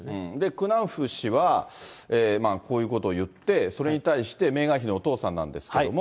クナウフ氏は、こういうことを言って、それに対してメーガン妃のお父さんなんですけども。